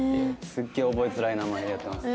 すっげえ覚えづらい名前でやってます。